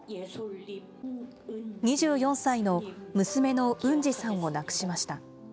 ２４歳の娘のウンジさんを亡くしました。